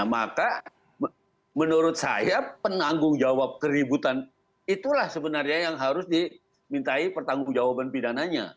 maka menurut saya penanggung jawab keributan itulah sebenarnya yang harus dimintai pertanggung jawaban pidananya